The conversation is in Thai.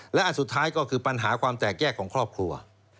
และอันสุดท้ายก็คือปัญหาความแตกแยกของครอบครัว